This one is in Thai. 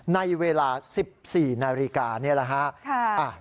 ในเวลา๑๔นาฬิกานี่แหละฮะ